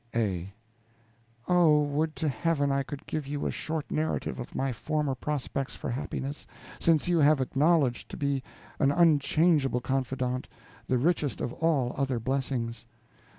A. Oh, would to Heaven I could give you a short narrative of my former prospects for happiness, since you have acknowledged to be an unchangeable confidant the richest of all other blessings.